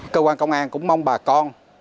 cơ quan công an cũng mong bà con